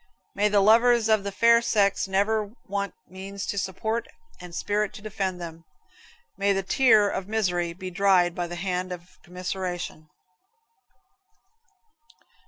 May the lovers of the fair sex never want means to support and spirit to defend them. May the tear of misery be dried by the hand of commiseration.